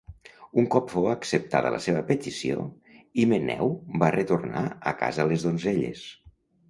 Un cop fou acceptada la seva petició, Himeneu va retornar a casa les donzelles.